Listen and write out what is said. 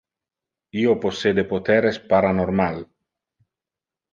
Io possede poteres paranormal.